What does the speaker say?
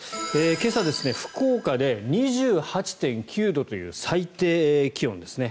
今朝、福岡で２８．９度という最低気温ですね。